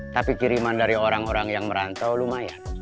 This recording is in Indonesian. tapi kiriman dari orang orang yang merantau lumayan